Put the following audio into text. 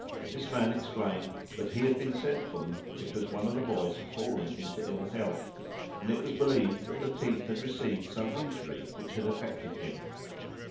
This man explained that he had been sent for them because one of the boys had fallen into ill health, and it was believed that the teeth had received some injury which had affected him.